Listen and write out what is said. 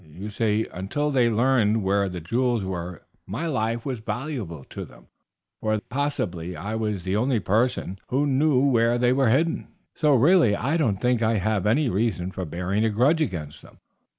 You see, until they learned where the jewels were, my life was valuable to them, for possibly I was the only person who knew where they were hidden; so really I don't think I have any reason for bearing a grudge against them.